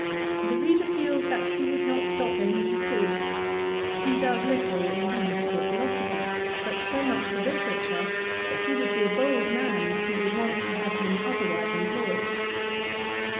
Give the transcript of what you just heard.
The reader feels that he would not stop him if he could. He does little, indeed, for philosophy ; but so much for literature that he would be a bold man who would want to have him otherwise employed.